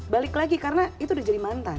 balik lagi karena itu udah jadi mantan